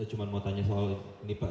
cuma mau tanya soal ini pak